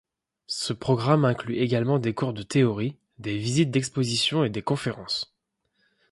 Ce programme inclut également des cours de théorie, des visites d'expositions et des conférences.